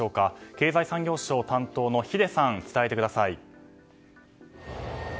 経済産業省担当の秀さん伝えてください。